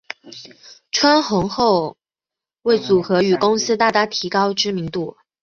窜红后为组合与公司大大提高知名度。